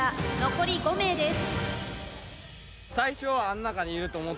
残り５名です。